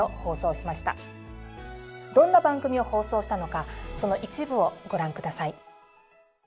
どんな番組を放送したのかその一部をご覧下さい。